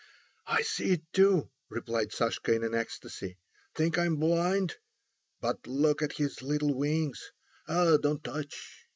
"I see it too," replied Sashka in an ecstasy. "Think I'm blind? But look at his little wings! Ah! don't touch!"